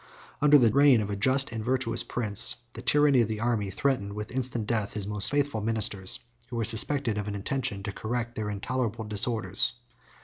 74 Under the reign of a just and virtuous prince, the tyranny of the army threatened with instant death his most faithful ministers, who were suspected of an intention to correct their intolerable disorders.